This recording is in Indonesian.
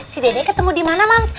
si dede ketemu dimana mams